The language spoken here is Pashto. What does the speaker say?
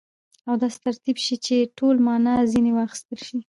او داسي ترتیب سي، چي ټوله مانا ځني واخستل سي.